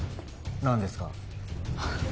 何ですか？